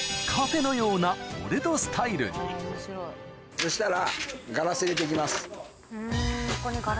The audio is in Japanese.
そしたら。